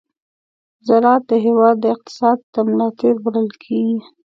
ز راعت د هېواد د اقتصاد د ملا تېر بلل کېږي.